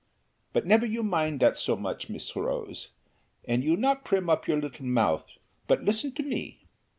But never you mind dat so much, Miss Rose; and you not prim up your little mouth, but listen to me.